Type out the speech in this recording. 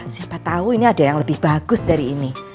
siapa tahu ini ada yang lebih bagus dari ini